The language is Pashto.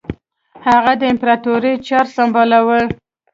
هغه د امپراطوري چاري سمبالوي.